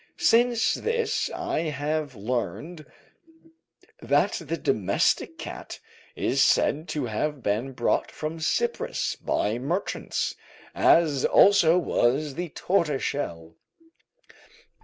(Since this I have learned that the domestic cat is said to have been brought from Cyprus by merchants, as also was the tortoiseshell.